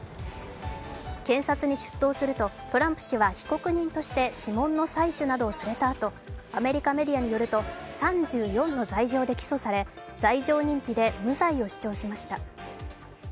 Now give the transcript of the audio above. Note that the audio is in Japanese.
検察に出頭するとトランプ氏は被告人として、指紋の採取などをされたあと、アメリカメディアによると３４の罪状で起訴され、罪状認否で無罪を主張しました。